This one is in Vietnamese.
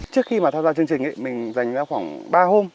trước khi mà tham gia chương trình mình dành ra khoảng ba hôm